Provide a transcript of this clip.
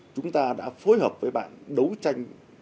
chúng ta đã phối hợp với bạn đấu tranh